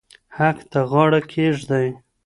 حق ته غاړه کېږدئ.